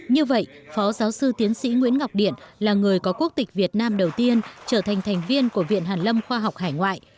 như vậy phó giáo sư tiến sĩ nguyễn ngọc điện là người có quốc tịch việt nam đầu tiên trở thành thành viên của viện hàn lâm khoa học hải ngoại